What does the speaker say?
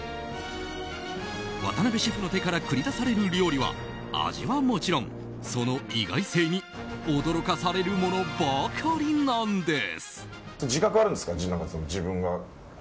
渡辺シェフの手から繰り出される料理は味はもちろん、その意外性に驚かされるものばかりなんです。